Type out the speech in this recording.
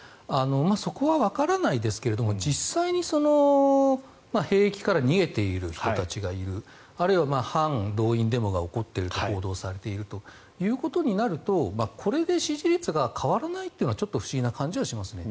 そこはわからないですが実際に兵役から逃げている人たちがいるあるいは反動員デモが起こっていると報道されているということになるとこれで支持率が変わらないというのは不思議な感じがしますね。